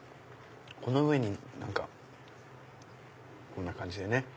この上にこんな感じでね。